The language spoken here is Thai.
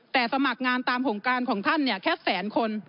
แต่สมัครงานตามโครงการของท่านแค่แสนคน